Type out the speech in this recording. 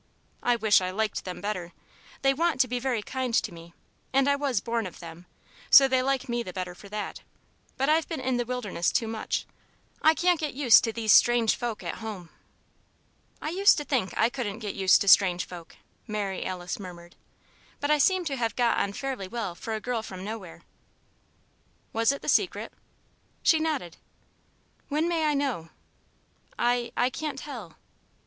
I wish I liked them better they want to be very kind to me, and I was born of them, so they like me the better for that. But I've been in the wilderness too much I can't get used to these strange folk at home." "I used to think I couldn't get used to strange folk," Mary Alice murmured, "but I seem to have got on fairly well for a girl from Nowhere." "Was it the Secret?" She nodded. "When may I know?" "I I can't tell."